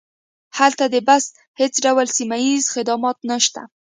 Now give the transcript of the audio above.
هلته د بس هیڅ ډول سیمه ییز خدمات نشته